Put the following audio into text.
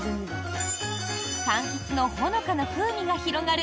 柑橘のほのかな風味が広がる